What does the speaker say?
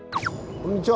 こんにちは。